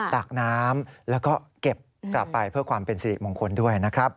ตากน้ำแล้วก็เก็บกลับไปเพื่อความเป็นสิริมงคลด้วยนะครับ